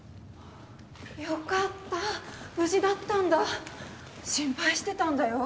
よかった無事だったんだ心配してたんだよ